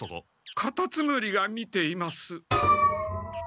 カタツムリが見ています。